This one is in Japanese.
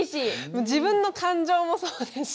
自分の感情もそうですし。